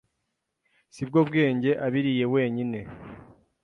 Si bwo Bwenge abiriye wenyine